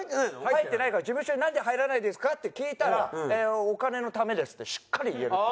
入ってないから「事務所になんで入らないんですか」って聞いたら「お金のためです」ってしっかり言える。